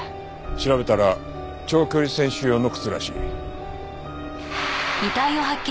調べたら長距離選手用の靴らしい。